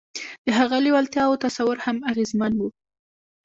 د هغه لېوالتیا او تصور هم اغېزمن وو